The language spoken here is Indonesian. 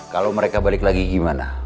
kalau mereka balik lagi gimana